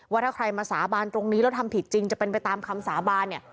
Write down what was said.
ว่าถ้าใครมาสาบานตรงนี้แล้วทำผิดจริงจะเป็นไปตามคำสาบานเนี่ย